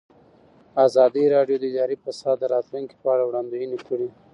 ازادي راډیو د اداري فساد د راتلونکې په اړه وړاندوینې کړې.